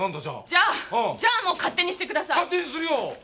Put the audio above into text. じゃあじゃあもう勝手にしてください！